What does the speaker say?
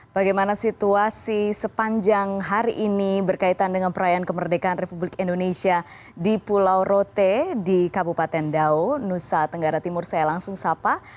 bagaimana situasi sepanjang hari ini berkaitan dengan perayaan kemerdekaan republik indonesia di pulau rote di kabupaten dao nusa tenggara timur saya langsung sapa